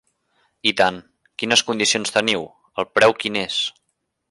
I tant, quines condicions teniu el preu quin és?